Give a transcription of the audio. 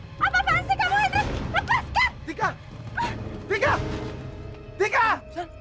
apaan sih kamu hendrik lepaskan